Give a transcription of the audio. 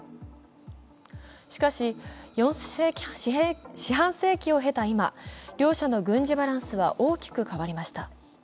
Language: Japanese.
しかし、四半世紀を経た今、両者の軍事バランスは大きく変わりました。